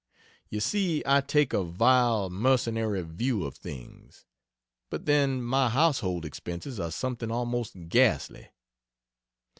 You see I take a vile, mercenary view of things but then my household expenses are something almost ghastly.